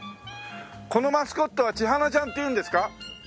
このマスコットはちはなちゃんっていうんですか？